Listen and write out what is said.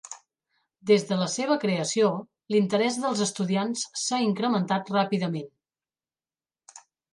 Des de la seva creació, l'interès dels estudiants s'ha incrementat ràpidament.